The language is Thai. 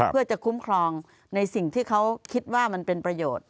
เพื่อจะคุ้มครองในสิ่งที่เขาคิดว่ามันเป็นประโยชน์